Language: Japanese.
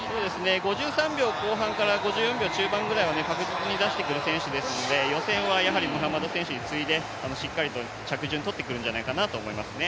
５３秒後半から５４秒中盤ぐらいは確実に出してくる選手ですので予選はやはりムハマド選手に次いでしっかりと着順取ってくるんじゃないかなと思いますね。